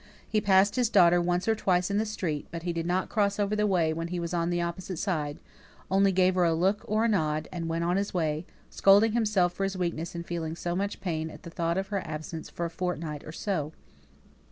He passed his daughter once or twice in the street, but he did not cross over when he was on the opposite side only gave her a look or a nod, and went on his way, scolding himself for his weakness in feeling so much pain at the thought of her absence for a fortnight or so.